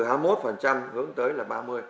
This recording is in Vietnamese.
hướng tới là ba mươi bốn mươi